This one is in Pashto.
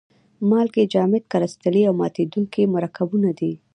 مالګې جامد کرستلي او ماتیدونکي مرکبونه دي.